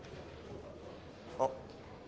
あっ！